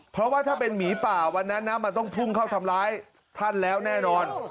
เพราะว่าถ้าเป็นหมีป่าวันนั้นนะมันต้องพุ่งเข้าทำร้ายท่านแล้วแน่นอน